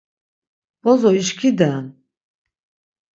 Bozo işkiden!”